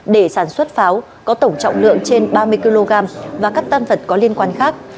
để sản xuất pháo có tổng trọng lượng trên ba mươi kg và các tan vật có liên quan khác